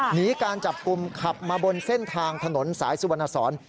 หนีการจับกลุ่มขับมาบนเส้นทางถนนสายสุวรรณสอน